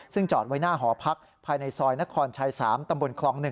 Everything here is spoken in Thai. ซึ่งจอดไว้หน้าหอพักภายในซอยนครชัย๓ตำบลคลอง๑